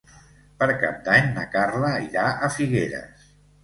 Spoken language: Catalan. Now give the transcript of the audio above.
Per Cap d'Any na Carla irà a Figueres.